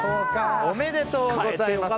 おめでとうございます！